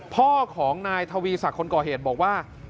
พ่อของนายทวีศักดิ์คนก่อเหตุบอกว่า